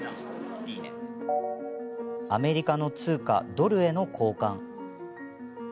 アメリカの通貨、ドルへの交換。